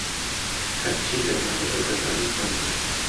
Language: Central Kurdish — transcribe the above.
هەرچی دەربارەی ئەو دەزانیت پێم بڵێ.